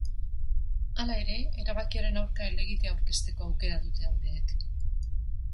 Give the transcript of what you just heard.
Hala ere, erabakiaren aurka helegitea aurkezteko aukera dute aldeek.